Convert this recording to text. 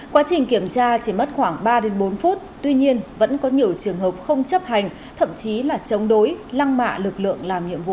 quá trình kiểm tra chỉ mất khoảng ba bốn phút tuy nhiên vẫn có nhiều trường hợp không chấp hành thậm chí là chống đối lăng mạ lực lượng làm nhiệm vụ